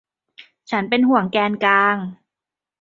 ฉันเป็นห่วงแกนกลาง